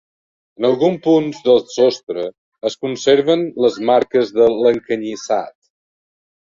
En alguns punts del sostre es conserven les marques de l'encanyissat.